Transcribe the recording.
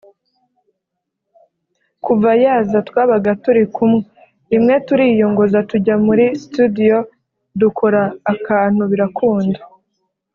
kuva yaza twabaga turi kumwe rimwe turiyongoza tujya muri studio dukora akantu birakunda